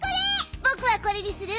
ぼくはこれにする！